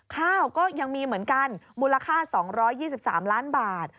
ข้าวก็ยังมีเหมือนกันมูลค่า๒๒๓ล้านบาท